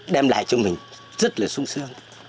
đem lại cho mình rất là sung sương